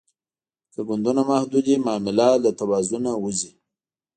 که ګوندونه محدود وي معامله له توازن وځي